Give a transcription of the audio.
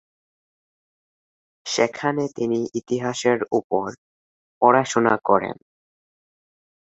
সেখানে তিনি ইতিহাসের উপর পড়াশোনা করেন।